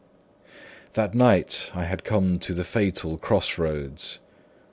That night I had come to the fatal cross roads.